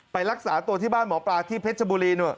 รักษาตัวที่บ้านหมอปลาที่เพชรบุรี